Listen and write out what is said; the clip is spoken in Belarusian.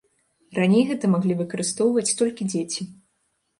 Раней гэта маглі выкарыстоўваць толькі дзеці.